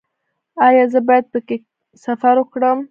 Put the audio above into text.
ایا زه باید په کښتۍ کې سفر وکړم؟